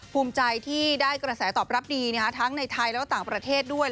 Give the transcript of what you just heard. ภูมิใจที่ได้กระแสตอบรับดีทั้งในไทยและต่างประเทศด้วย